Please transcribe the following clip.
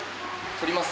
取ります。